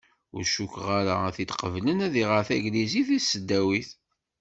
Ur cukkeɣ ara ad t-id-qeblen ad iɣer taglizit deg tesdawit.